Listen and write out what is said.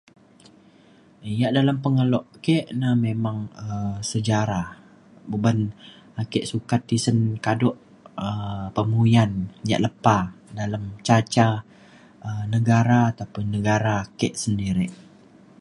ia' dalem pengelo ke na memang um sejarah uban ake sukat tisen kado um pemuyan ia' lepa dalem ca ca um negara taupun negara ake sendiri